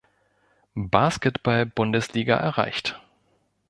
Basketball-Bundesliga erreicht.